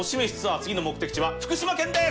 次の目的地は福島県です！